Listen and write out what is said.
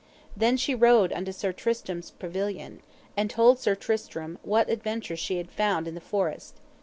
Then she rode unto Sir Tristram's pavilion, and told Sir Tristram what adventure she had found in the forest.